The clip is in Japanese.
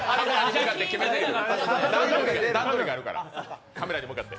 段取りがあるから、カメラに向かって。